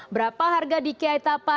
berapa harga di kiai tapa